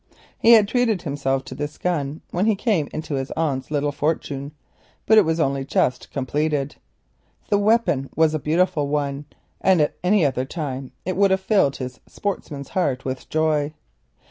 Harold had treated himself to this gun when he came into his aunt's little fortune, but it was only just completed. The weapon was a beautiful one, and at any other time it would have filled his sportsman's heart with joy.